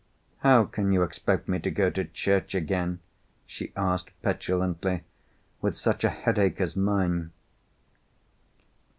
"How can you expect me to go to church again," she asked, petulantly, "with such a headache as mine?"